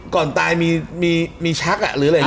ก่อนตายมีชัก